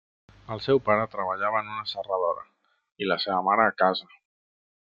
El seu pare treballava en una serradora i la seva mare a casa.